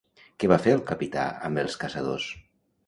Què va fer el capità amb els caçadors?